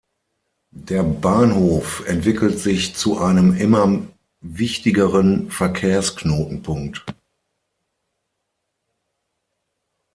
Der Bahnhof entwickelt sich zu einem immer wichtigeren Verkehrsknotenpunkt.